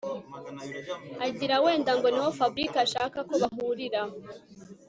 agira wenda ngo niho Fabric ashaka ko bahurira